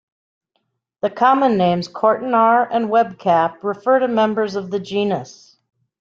The common names cortinar and webcap refer to members of the genus.